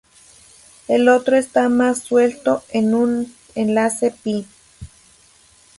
El otro está más "suelto" en un enlace pi.